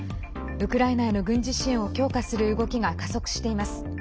ウクライナへの軍事支援を強化する動きが加速しています。